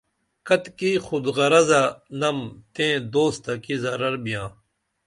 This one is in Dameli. کتِکی خودغرضہ نم تئیں دوستہ کی ضرر بیاں